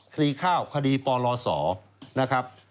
คดีข้าวคดีปลศนะครับ